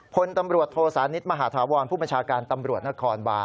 คนตำรวจโทษานิดมหาธวรรณผู้ประชาการตำรวจนครบาล